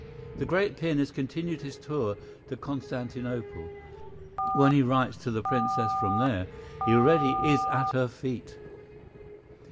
The great pianist continued his tour to Constantinople. When he writes to the Princess from there, he already "is at her feet."